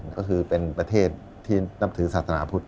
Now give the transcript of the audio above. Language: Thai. ก็คือเป็นประเทศที่นับถือศาสนาพุทธ